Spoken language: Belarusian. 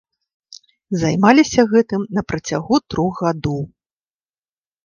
Займаліся гэтым на працягу трох гадоў.